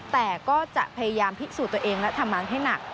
แต่ก็จะพยายามพิสูจน์ตัวเองและทำงานให้หนัก